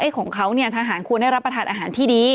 ของเขาเนี่ยทหารควรได้รับประทานอาหารที่ดี